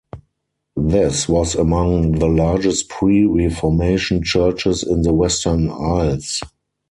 This was among the largest pre-Reformation Churches in the Western Isles.